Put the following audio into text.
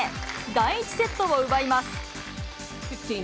第１セットを奪います。